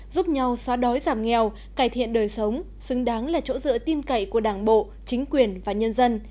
giúp nhau xóa đói giảm nghèo cải thiện đời sống xứng đáng là chỗ dựa tim cậy của đảng bộ chính quyền và nhân dân